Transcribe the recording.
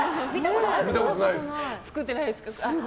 作ってないです。